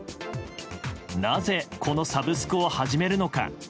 なぜ、このサブスクを始めるのか。